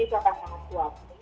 itu akan sangat kuat